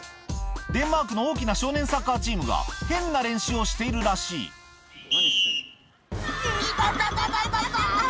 デンマークの大きな少年サッカーチームが、変な練習をしているらいたたたたた！